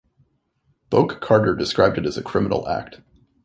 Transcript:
Boake Carter described it as a criminal act.